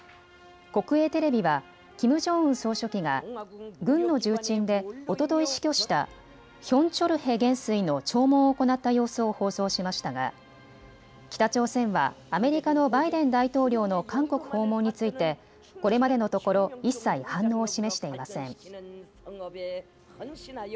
国営テレビはキム・ジョンウン総書記が軍の重鎮でおととい死去したヒョン・チョルヘ元帥の弔問を行った様子を放送しましたが北朝鮮はアメリカのバイデン大統領の韓国訪問について、これまでのところ一切反応を示していません。